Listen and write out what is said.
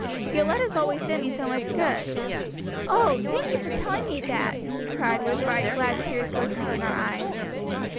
Your letters always did me so much good." "Oh, thank you for telling me that!" she cried, with bright, glad tears glistening in her eyes.